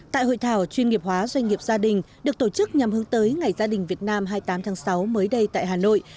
tại hội thảo chuyên nghiệp hóa doanh nghiệp gia đình được tổ chức nhằm hướng tới ngày gia đình việt nam hai mươi tám tháng sáu mới đây tại hà nội